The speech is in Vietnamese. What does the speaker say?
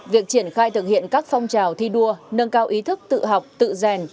việc triển khai thực hiện các phong trào thi đua nâng cao ý thức tự học tự rèn